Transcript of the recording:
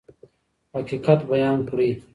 حقیقت بیان کړئ.